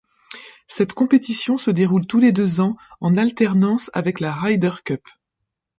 Cette compétition se déroule tous les deux ans, en alternance avec la Ryder Cup.